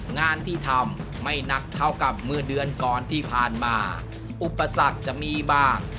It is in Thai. งานที่ทำไม่หนักเท่ากับเมื่อเดือนก่อนที่ผ่านมาอุปสรรคจะมีบ้าง